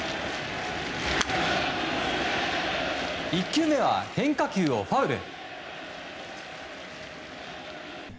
１球目は変化球をファウル。